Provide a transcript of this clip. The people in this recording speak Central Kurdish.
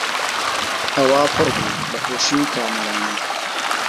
ئەوا پڕ بوو لە خۆشی و کامەرانی